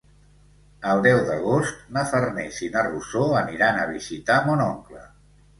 El deu d'agost na Farners i na Rosó aniran a visitar mon oncle.